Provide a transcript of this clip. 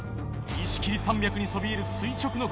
石切山脈にそびえる垂直の壁。